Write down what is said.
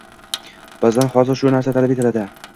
Bizdan hozir shu narsa talab etiladi.